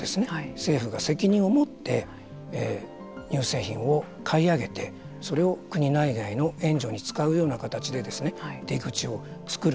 政府が責任を持って乳製品を買い上げてそれを国内外の援助に使うような形で出口をつくる。